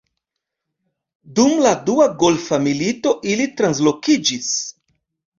Dum la Dua Golfa Milito ili translokiĝis.